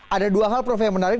ada dua hal prof yang menarik